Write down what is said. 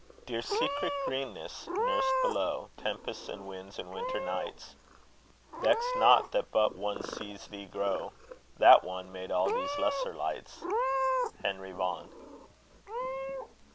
Dear secret Greenness, nursed below Tempests and winds and winter nights! Vex not that but one sees thee grow; That One made all these lesser lights. HENRY VAUGHAN.